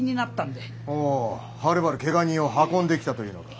おおはるばるけが人を運んできたというのか。